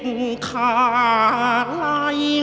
เพื่อก็คิดจริงมั่ง